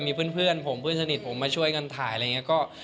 มีเพื่อนสนิทผมมาช่วยกันทำถ่าย